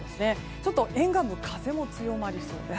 ちょっと沿岸部風も強まりそうです。